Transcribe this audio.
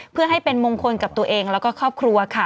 เพื่อให้เป็นมงคลกับตัวเองแล้วก็ครอบครัวค่ะ